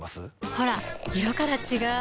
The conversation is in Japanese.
ほら色から違う！